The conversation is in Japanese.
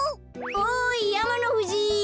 おいやまのふじ